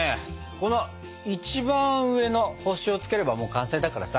この一番上の星をつければもう完成だからさ！